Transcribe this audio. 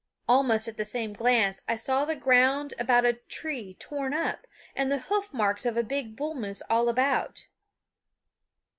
Almost at the same glance I saw the ground about a tree torn up, and the hoof marks of a big bull moose all about.